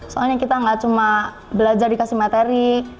soalnya kita nggak cuma belajar dikasih materi